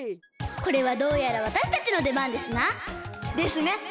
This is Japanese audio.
これはどうやらわたしたちのでばんですな！ですね！